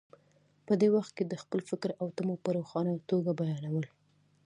په دې وخت کې د خپل فکر او تمو په روښانه توګه بیانول.